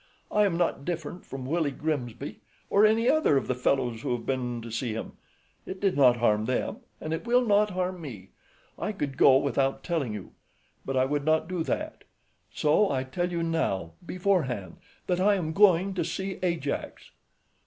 "I am not different from Willie Grimsby, or any other of the fellows who have been to see him. It did not harm them and it will not harm me. I could go without telling you; but I would not do that. So I tell you now, beforehand, that I am going to see Ajax."